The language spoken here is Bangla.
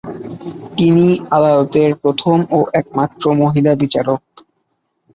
তিনি আদালতের প্রথম ও একমাত্র মহিলা বিচারক।